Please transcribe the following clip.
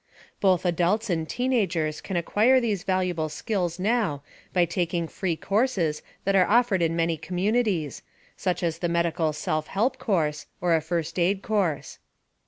Both adults and teenagers can acquire these valuable skills now by taking free courses that are offered in many communities, such as the Medical Self Help course or a First Aid course.